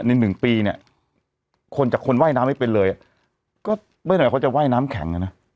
หนึ่งปีเนี่ยคนจากคนว่ายน้ำไม่เป็นเลยก็ไม่หน่อยเขาจะว่ายน้ำแข็งอ่ะนะ